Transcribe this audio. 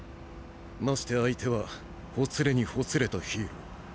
まして相手はほつれにほつれたヒーロー。